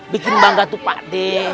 bikin bangga tuh pakde